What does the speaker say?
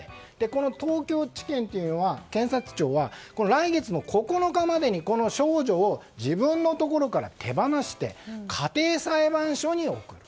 この東京地検、検察庁は来月の９日までにこの少女を自分のところから手放して家庭裁判所に送る。